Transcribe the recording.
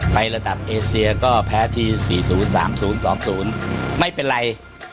ระดับเอเซียก็แพ้ที๔๐๓๐๒๐ไม่เป็นไร